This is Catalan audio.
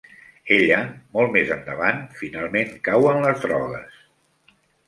Ella, molt més endavant, finalment cau en les drogues.